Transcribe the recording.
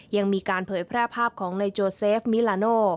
ยังมีการเผยแพร่ภาพของนายโจเซฟมิลาโน